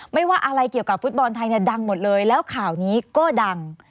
ว่าอะไรเกี่ยวกับฟุตบอลไทยเนี่ยดังหมดเลยแล้วข่าวนี้ก็ดัง